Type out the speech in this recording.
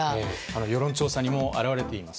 世論調査にも表れています。